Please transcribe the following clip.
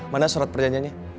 mana surat perjanjiannya